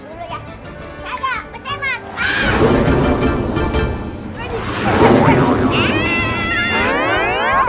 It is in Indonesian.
makin melambat nih